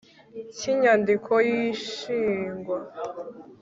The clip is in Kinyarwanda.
Cy inyandiko y ishingwa